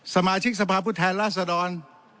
สมาชิกสภาพุทธแทนรัฐสดร